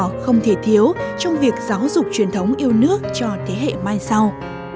điều đó không thể thiếu trong việc giáo dục truyền thống yêu nước cho thế hệ mai sau